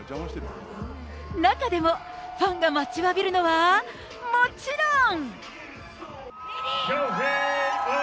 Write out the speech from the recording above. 中でも、ファンが待ちわびるのは、もちろん！